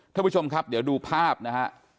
ท่านผู้ชมครับเดี๋ยวดูภาพนะฮะ